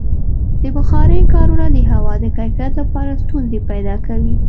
د بخارۍ کارونه د هوا د کیفیت لپاره ستونزې پیدا کوي.